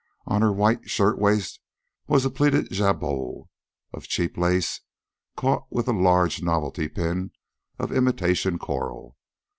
On her white shirtwaist was a pleated jabot of cheap lace, caught with a large novelty pin of imitation coral.